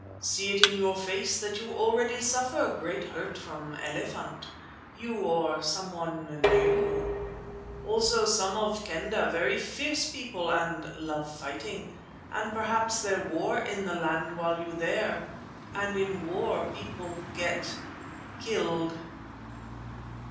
See it in your face that you already suffer great hurt from elephant, you or someone near you. Also some of Kendah very fierce people and love fighting, and p'raps there war in the land while you there, and in war people get killed."